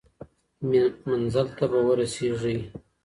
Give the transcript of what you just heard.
منزل ته به ورسیږئ.